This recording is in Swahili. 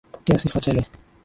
Pokea sifa tele.